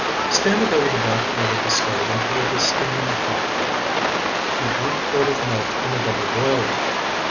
Stand it over the back part of the stove until it is steaming hot. Heat one quart of milk in a double boiler.